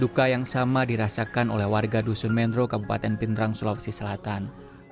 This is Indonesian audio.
duka yang sama dirasakan oleh warga dusun menro kabupaten pindrang sulawesi selatan